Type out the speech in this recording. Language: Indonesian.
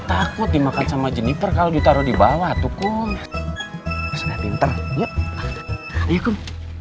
takut dimakan sama jenifer kalau ditaruh di bawah tuh kum pinter yuk ayo kum